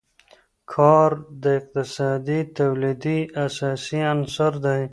کار د اقتصادي تولید اساسي عنصر دی.